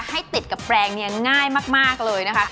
ให้ติดกับแปลงเนี่ยง่ายมากเลยนะคะ